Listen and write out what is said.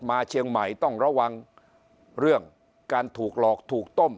เชียงใหม่ต้องระวังเรื่องการถูกหลอกถูกต้ม